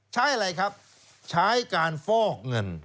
ใช้อะไรครับใช้การฟอกเงิน